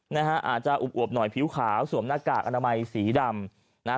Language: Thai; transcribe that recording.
นะฮะอาจจะอวบหน่อยผิวขาวสวมหน้ากากอนามัยสีดำนะฮะ